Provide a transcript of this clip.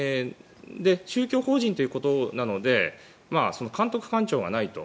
宗教法人ということなので監督官庁がないと。